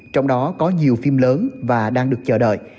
trong đó có nhiều phim lớn và đang được chờ đợi